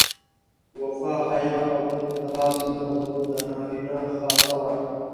وفا، حیا او بل ته لاس نه غځول د نارینه خاصه وه.